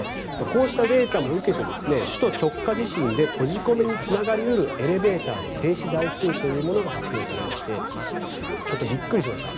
こうしたデータも受けて首都直下地震で閉じ込めにつながり得るエレベーターの停止台数というものが発表されましてちょっとびっくりしました。